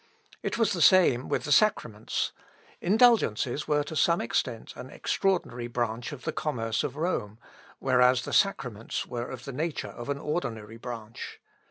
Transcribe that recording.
It was the same with the sacraments. Indulgences were to some extent an extraordinary branch of the commerce of Rome, whereas the sacraments were of the nature of an ordinary branch.